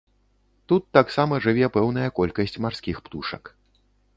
Тут таксама жыве пэўная колькасць марскіх птушак.